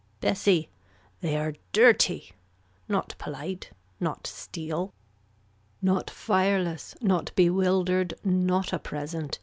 Bessie They are dirty. Not polite. Not steel. Not fireless. Not bewildered. Not a present.